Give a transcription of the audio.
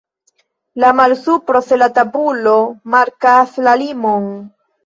La malsupro se la tabulo markas la limon.